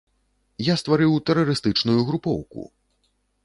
Я стварыў тэрарыстычную групоўку!